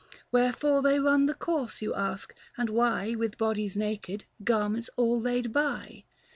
Wherefore they run the course, you ask, and why With bodies naked, garments all laid by